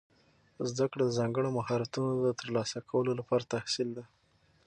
زده کړه د ځانګړو مهارتونو د ترلاسه کولو لپاره تسهیل ده.